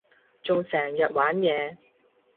仲成日玩嘢